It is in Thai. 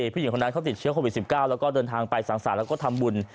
ผู้หญิงคนนั้นเขาติดเชื้อโควิด๑๙แล้วก็เดินทางไปสังสรรค์แล้วก็ทำบุญ